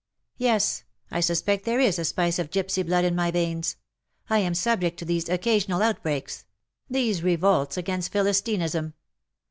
Yes ! I suspect there is a spice of gipsy blood in my veins. I am subject to these occasional out breaks — these revolts against Philistinism.